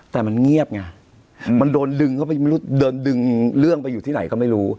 แต่มันเงียบไงมันโดนดึงเข้าไปไม่รู้โดนดึงเรื่องไปอยู่ที่ไหนก็ไม่รู้